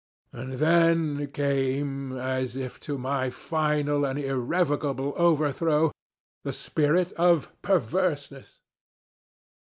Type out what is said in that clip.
And then came, as if to my final and irrevocable overthrow, the spirit of PERVERSENESS.